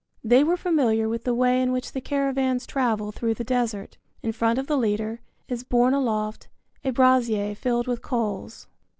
They were familiar with the way in which the caravans travel through the desert: in front of the leader is borne aloft a brazier filled with coals.